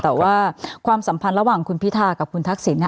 แต่ว่าความสัมพันธ์ระหว่างคุณพิธากับคุณทักษิณ